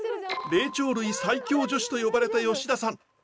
「霊長類最強女子」と呼ばれた吉田さん